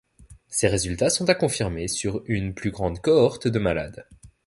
Ces résultats sont à confirmer sur une plus grande cohorte de malades.